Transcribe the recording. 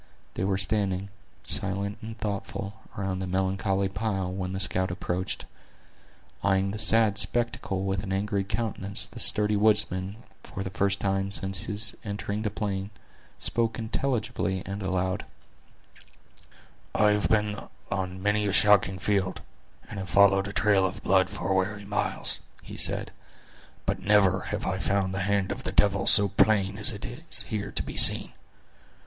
They were standing, silent and thoughtful, around the melancholy pile, when the scout approached. Eyeing the sad spectacle with an angry countenance, the sturdy woodsman, for the first time since his entering the plain, spoke intelligibly and aloud: "I have been on many a shocking field, and have followed a trail of blood for weary miles," he said, "but never have I found the hand of the devil so plain as it is here to be seen!